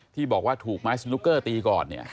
ที่บอกว่าถูกไม้สนุกเกอร์ตีก่อน